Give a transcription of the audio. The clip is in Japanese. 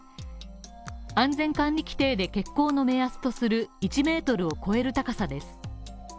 安全管理規程で欠航の目安とする１ｍを超える高さです。